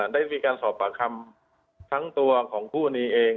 ได้มีการสอบปากคำทั้งตัวของคู่กรณีเอง